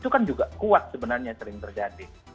itu kan juga kuat sebenarnya sering terjadi